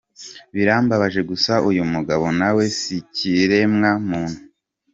Birambabaje gusa uyumugabo nawe sikiremwa muntu.